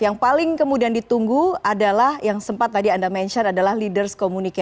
yang paling kemudian ditunggu adalah yang sempat tadi anda mention adalah leaders communique